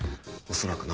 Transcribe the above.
恐らくな。